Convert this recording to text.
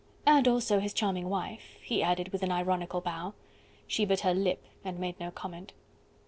"And also his charming wife," he added with an ironical bow. She bit her lip, and made no comment.